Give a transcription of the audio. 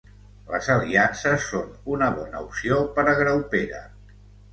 Les aliances són una bona opció per a Graupera